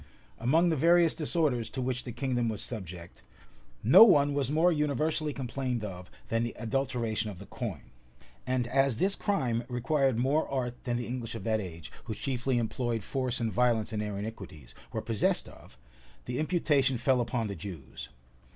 Among the various disorders to which the kingdom was subject, no one was more universally complained of than the adulteration of the coin; and as this crime required more art than the English of that age, who chiefly employed force and violence in their iniquities, were possessed of, the imputation fell upon the Jews.